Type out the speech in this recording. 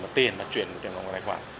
bằng tiền mà chuyển bằng tài khoản